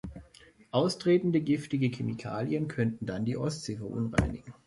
Austretende giftige Chemikalien könnten dann die Ostsee verunreinigen.